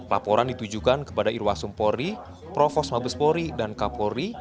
laporan ditujukan kepada irwas sumpori profos mabes polri